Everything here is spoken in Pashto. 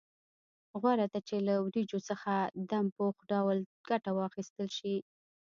غوره ده چې له وریجو څخه دم پوخ ډول ګټه واخیستل شي.